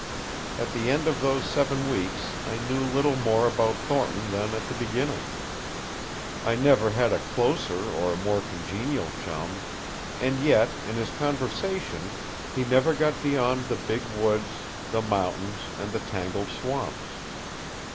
At the end of those seven weeks I knew little more about Thornton than at the beginning. I never had a closer or more congenial chum, and yet in his conversation he never got beyond the big woods, the mountains, and the tangled swamps.